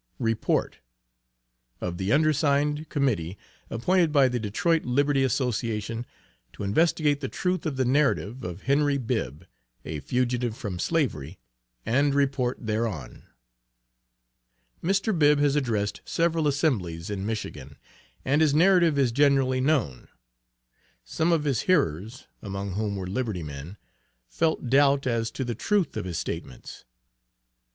REPORT OF THE UNDERSIGNED, COMMITTEE APPOINTED BY THE DETROIT LIBERTY ASSOCIATION TO INVESTIGATE THE TRUTH OF THE NARRATIVE OF HENRY BIBB, A FUGITIVE FROM SLAVERY, AND REPORT THEREON: Mr. Bibb has addressed several assemblies in Michigan, and his narrative is generally known. Some of his hearers, among whom were Liberty men, felt doubt as to the truth of his statements.